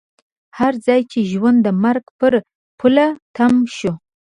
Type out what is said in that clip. هر ځای چې ژوند د مرګ پر پوله تم شو.